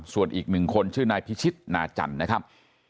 ส่วนอีกหนึ่งคนชื่อนายพิชิตนาจันทร์นะครับ